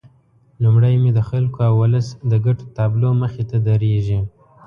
لومړی مې د خلکو او ولس د ګټو تابلو مخې ته درېږي.